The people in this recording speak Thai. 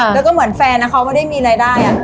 แล้วก็เหมือนแฟนเขาไม่ได้มีรายได้